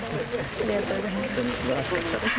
ありがとうございます。